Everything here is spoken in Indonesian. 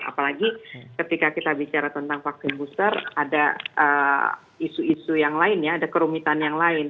apalagi ketika kita bicara tentang vaksin booster ada isu isu yang lain ya ada kerumitan yang lain